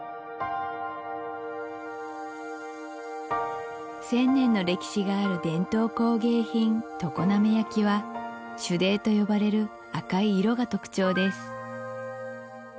ペイトク１０００年の歴史がある伝統工芸品常滑焼は朱泥と呼ばれる赤い色が特徴です